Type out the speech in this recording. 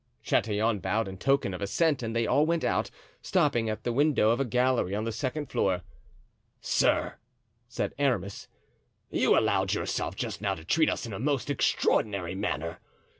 Chatillon bowed in token of assent and they all went out, stopping at the window of a gallery on the ground floor. "Sir," said Aramis, "you allowed yourself just now to treat us in a most extraordinary manner.